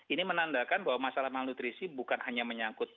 ini menandakan bahwa masalah malnutrisi bukan hanya menyangkut